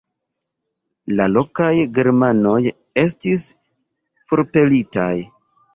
La lokaj germanoj estis forpelitaj.